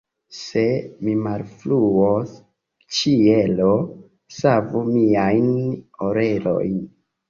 Se mi malfruos, ĉielo savu miajn orelojn!